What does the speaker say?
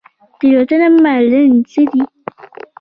تیروتنه منل څه دي؟